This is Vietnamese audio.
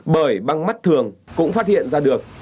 bởi băng mắt thường cũng phát hiện ra được